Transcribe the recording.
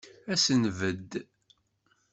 Ad s-nbedd.